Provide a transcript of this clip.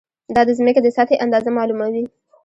دا د ځمکې د سطحې اندازه معلوموي.